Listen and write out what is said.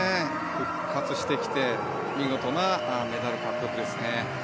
復活してきて見事なメダル獲得ですね。